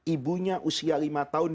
ibunya usia lima tahun